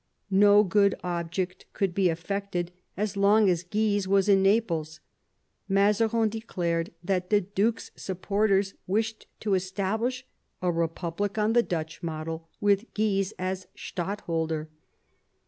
No good object could be effected so long as Guise was in Naples. Mazarin declared that the duke's supporters wished to establish a republic on the Dutch model, with Guise as stadtholder.